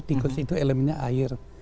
tikus itu elemennya air